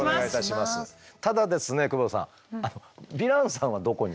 ただですね久保田さんヴィランさんはどこに？